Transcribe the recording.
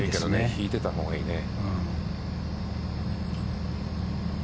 引いてたほうがいいね。